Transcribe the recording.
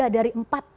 tiga dari empat